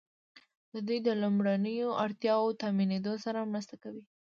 د دوی لومړنیو اړتیاوو تامینیدو سره مرسته کوي.